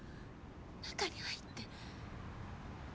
中に入って。